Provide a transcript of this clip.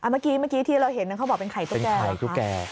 เมื่อกี้ที่เราเห็นเขาบอกเป็นไข่ทุกแก่